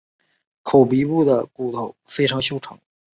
口鼻部的骨头非常修长。